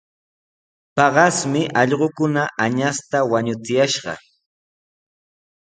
Paqasmi allquukuna añasta wañuchuyashqa.